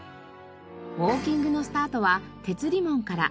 ウォーキングのスタートは哲理門から。